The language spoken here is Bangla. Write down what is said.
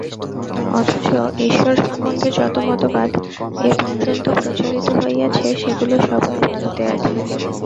অথচ ঈশ্বর সম্বন্ধে যত মতবাদ এ পর্যন্ত প্রচারিত হইয়াছে, সেগুলি সবই ভারতে আছে।